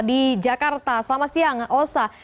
di jakarta selamat siang osa